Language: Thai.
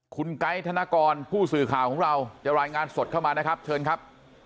คุณไก๊ธนกรผู้สื่อข่าวของเราจะรายงานสดเข้ามานะครับเชิญครับ